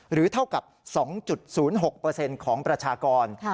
เท่ากับ๒๐๖ของประชากร